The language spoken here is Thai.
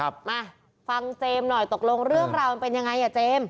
มาฟังเจมส์หน่อยตกลงเรื่องราวเป็นอย่างไรเจมส์